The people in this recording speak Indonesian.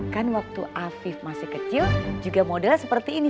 kan waktu afif masih kecil juga modal seperti ini